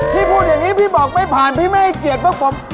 พี่พูดอย่างนี้พี่บอกไม่ผ่านพี่ไม่ให้เกียรติพวกผม